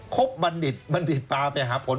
ครบบัณฑิตบัณฑิตปลาไปหาผล